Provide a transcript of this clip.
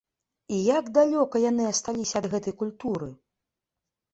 І як далёка яны асталіся ад гэтай культуры!